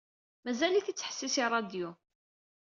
Mazal-it ittḥessis i ṛṛadyu.